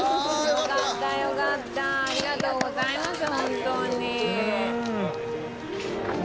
ありがとうございます。